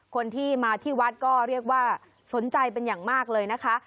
คนที่มาที่วัดก็เรียกว่าสนใจเป็นอย่างมากเลยนะคะ